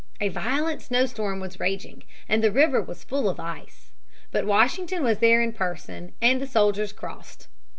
A violent snowstorm was raging, the river was full of ice. But Washington was there in person, and the soldiers crossed.